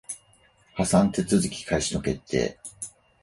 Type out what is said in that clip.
破産手続開始の決定